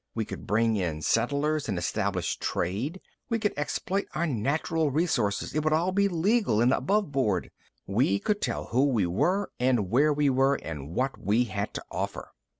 We could bring in settlers and establish trade. We could exploit our natural resources. It would all be legal and aboveboard. We could tell who we were and where we were and what we had to offer."